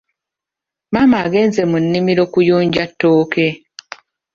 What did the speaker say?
Maama agenze mu nnimiro kuyunja tooke.